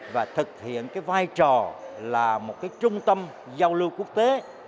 và thực hiện vai trò là một trung tâm giao lưu quốc tế